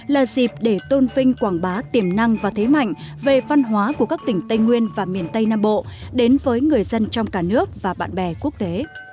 là dịp để tôn vinh quảng bá tiềm năng và thế mạnh về văn hóa của các tỉnh tây nguyên và miền tây nam bộ đến với người dân trong cả nước và bạn bè quốc tế